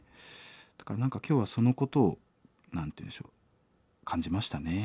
だから何か今日はそのことを何て言うんでしょう感じましたね。